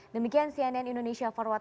demikian cnn indonesia forward